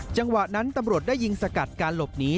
จังหวะนั้นตำรวจได้ยิงสกัดการหลบหนี